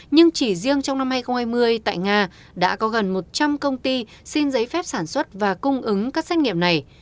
nhưng chỉ riêng trong năm hai nghìn hai mươi tại nga đã có gần một trăm linh công ty xin giấy phép sản xuất và cung ứng các xét nghiệm này